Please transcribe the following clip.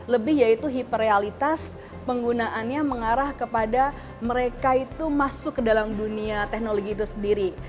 lebih yaitu hiperrealitas penggunaannya mengarah kepada mereka itu masuk ke dalam dunia teknologi itu sendiri